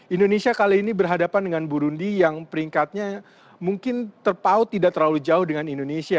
indonesia kali ini berhadapan dengan burundi yang peringkatnya mungkin terpaut tidak terlalu jauh dengan indonesia